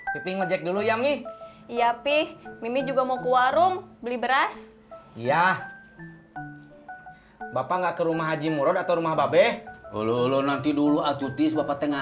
sampai jumpa di video selanjutnya